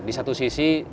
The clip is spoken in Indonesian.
di satu sisi